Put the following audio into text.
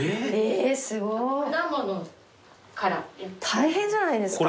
大変じゃないですか？